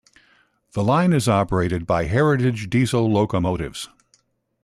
The line is operated by heritage diesel locomotives.